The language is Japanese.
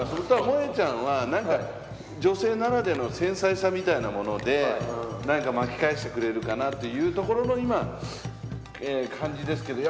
もえちゃんは女性ならではの繊細さみたいなもので巻き返してくれるかなっていうところの今感じですけど。